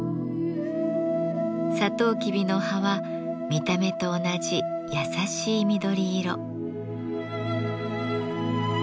サトウキビの葉は見た目と同じ優しい緑色。